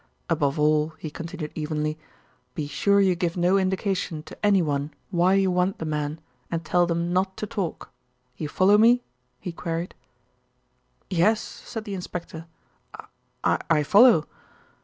Above all," he continued evenly, "be sure you give no indication to anyone why you want the men, and tell them not to talk. You follow me?" he queried. "Yes," said the inspector, "I I follow."